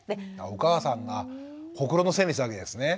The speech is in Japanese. お母さんがほくろのせいにしたわけですね。